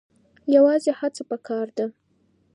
یوازې هڅه پکار ده.